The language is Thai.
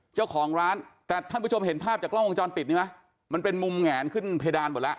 เจ้าของร้านแต่ท่านผู้ชมเห็นภาพจากกล้องวงจรปิดนี่ไหมมันเป็นมุมแหงขึ้นเพดานหมดแล้ว